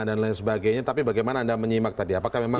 dan kedua mencari penampilan moral baru